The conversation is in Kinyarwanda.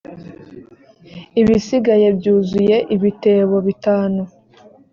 ibisigaye byuzuye ibitebo bitanu